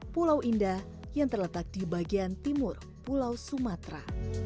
pulau indah yang terletak di bagian timur pulau sumatera